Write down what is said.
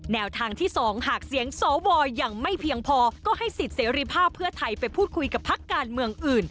แนวทางที่๒หากเสียงสวยังไม่เพียงพอก็ให้สิทธิ์เสรีภาพเพื่อไทยไปพูดคุยกับพักการเมืองอื่น